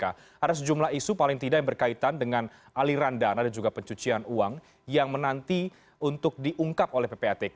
ada sejumlah isu paling tidak yang berkaitan dengan aliran dana dan juga pencucian uang yang menanti untuk diungkap oleh ppatk